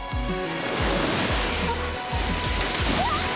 あっ！